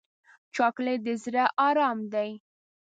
چاکلېټ د زړه ارام دی.